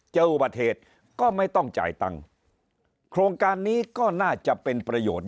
เจออุบัติเหตุก็ไม่ต้องจ่ายตังค์โครงการนี้ก็น่าจะเป็นประโยชน์